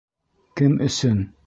Кем өсөн?